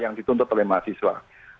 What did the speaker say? yang dituntut oleh mahasiswa